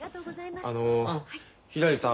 あのひらりさん